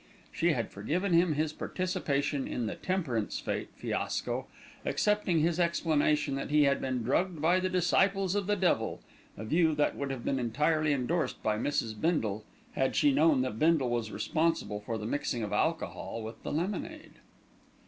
She had forgiven him his participation in the Temperance Fête fiasco, accepting his explanation that he had been drugged by the disciples of the devil, a view that would have been entirely endorsed by Mrs. Bindle, had she known that Bindle was responsible for the mixing of alcohol with the lemonade.